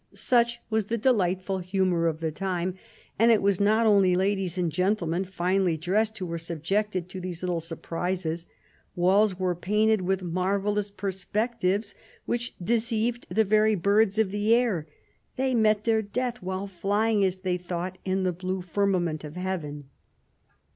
Such was the delightful humour of the time. And it was not only ladies and gentlemen, finely dressed, who were subjected to these little " surprises." Walls were painted with marvellous perspectives which deceived the very birds of the air. They met their death while flying, as they thought, in the blue firmament of heaven.